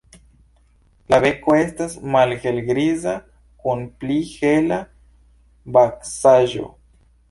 La beko estas malhelgriza kun pli hela vaksaĵo.